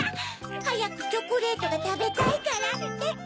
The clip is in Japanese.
・はやくチョコレートがたべたいからって。